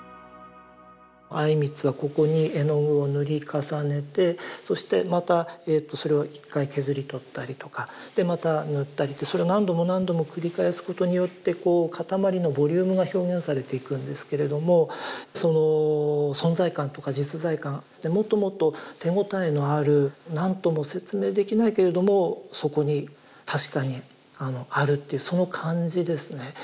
靉光はここに絵の具を塗り重ねてそしてまたそれを一回削り取ったりとかでまた塗ったりってそれを何度も何度も繰り返すことによって塊のボリュームが表現されていくんですけれどもその存在感とか実在感でもともと手応えのある何とも説明できないけれどもそこに確かにあるっていうその感じですね。